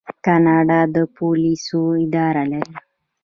کاناډا د پولیسو اداره لري.